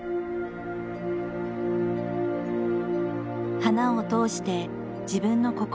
「花を通して自分の心を伝えたい」。